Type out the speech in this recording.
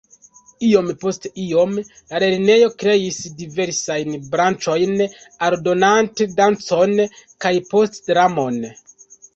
Iom post iom, la lernejo kreis diversajn branĉojn aldonante dancon kaj poste dramon.